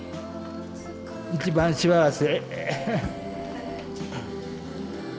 一番幸せ。